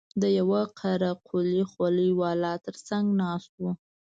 د يوه قره قلي خولۍ والا تر څنگ ناست و.